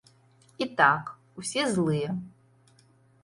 І так, усе злыя.